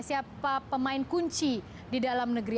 siapa pemain kunci di dalam negeri